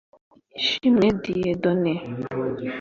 Ishimwe Dieudonné